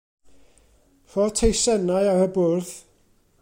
Rho'r teisenni ar y bwrdd.